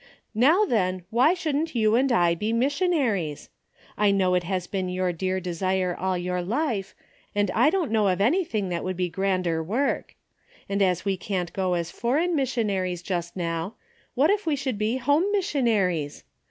Now then, why shouldn't you and I be missionaries ? I know it has been your dear desire all your life, and I don't know of anything that would be grander work. And as we can't go as foreign missionaries just now, what if we should be home missionaries